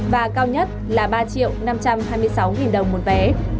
và cao nhất là ba triệu năm trăm hai mươi sáu đồng một vé